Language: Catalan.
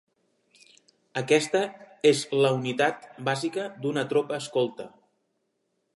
Aquesta és la unitat bàsica d'una tropa escolta.